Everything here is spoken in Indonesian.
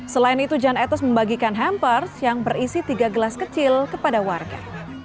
selain itu jan etes membagikan hampers yang berisi tiga gelas kecil kepada warga